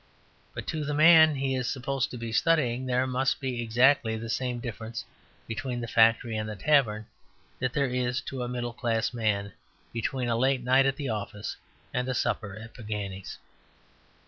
But to the man he is supposed to be studying there must be exactly the same difference between the factory and the tavern that there is to a middle class man between a late night at the office and a supper at Pagani's.